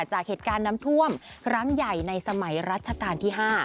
จากเหตุการณ์น้ำท่วมครั้งใหญ่ในสมัยรัชกาลที่๕